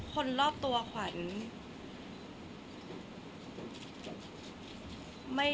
คนรอบตัวขวัดไม่ได้